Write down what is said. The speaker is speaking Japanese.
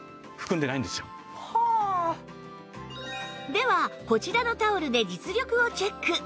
ではこちらのタオルで実力をチェック